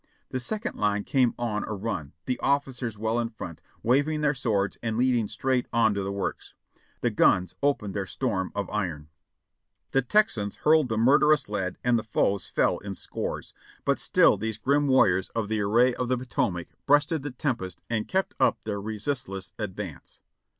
"The second line came on a run, the officers well in front, wav ing their swords and leading straight on to the works. The guns opened their storm of iron. The Texans hurled the mur derous lead and the foes fell in scores, but still these grim war riors of the Array of the Potomac breasted the tempest and kept private; Lambert's shot 573 up their resistless advance.